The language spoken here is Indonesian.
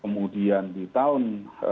kemudian di tahun